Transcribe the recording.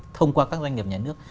thông qua các doanh nghiệp nhà nước